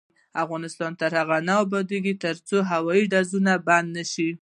افغانستان تر هغو نه ابادیږي، ترڅو هوایي ډزې بندې نشي.